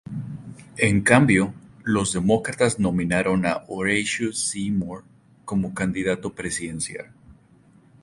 En cambio, los demócratas nominaron a Horatio Seymour como candidato presidencial.